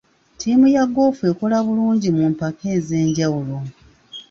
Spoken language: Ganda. Ttiimu ya goofu ekola bulungi mu mpaka ez'enjawulo.